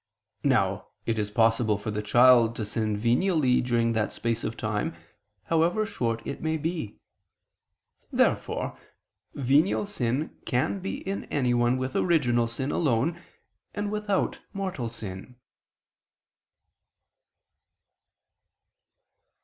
Now it is possible for the child to sin venially during that space of time, however short it may be. Therefore venial sin can be in anyone with original sin alone and without mortal sin.